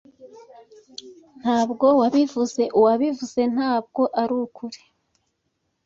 Ntabwo bivuze uwabivuze, ntabwo arukuri.